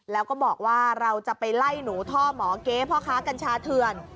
แล้วก็บอกว่าเราจะไปไล่หนูท่อหมอเก๊พ่อค้ากัญชาเถื่อน